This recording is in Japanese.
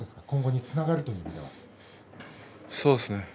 今後につながると思いますか？